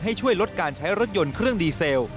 ให้ช่วยลดการใช้รถยนต์เครื่องดีเซล